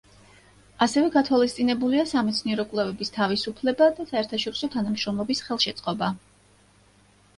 ასევე გათვალისწინებულია სამეცნიერო კვლევების თავისუფლება და საერთაშორისო თანამშრომლობის ხელშეწყობა.